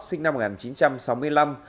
sinh năm một nghìn chín trăm sáu mươi năm